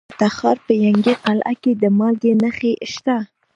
د تخار په ینګي قلعه کې د مالګې نښې شته.